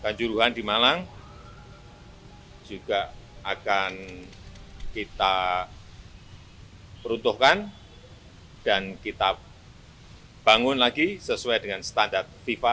dan jodohan di malang juga akan kita peruntuhkan dan kita bangun lagi sesuai dengan standar fifa